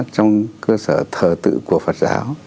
trong cơ sở thờ tử của phật giáo